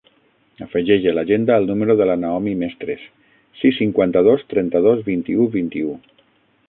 Afegeix a l'agenda el número de la Naomi Mestres: sis, cinquanta-dos, trenta-dos, vint-i-u, vint-i-u.